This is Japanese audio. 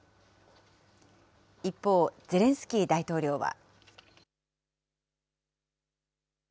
一方、ゼレンスキー大統領は。